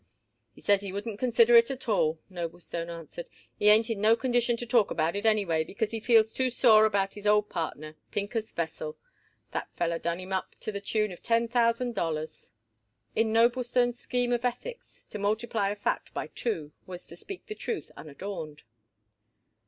"He says he wouldn't consider it at all," Noblestone answered. "He ain't in no condition to talk about it anyway, because he feels too sore about his old partner, Pincus Vesell. That feller done him up to the tune of ten thousand dollars." In Noblestone's scheme of ethics, to multiply a fact by two was to speak the truth unadorned.